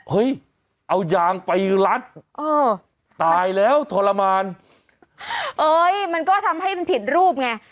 เฮ้ยเอายางไปรัดเออตายแล้วทรมานเอ้ยมันก็ทำให้มันผิดรูปไง